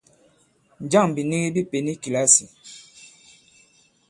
Njâŋ bìnigi bi pěn i kìlasì ?